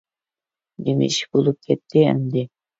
نېمە ئىش بولۇپ كەتتى ئەمدى!